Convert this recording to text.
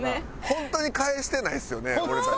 本当に返してないのよ。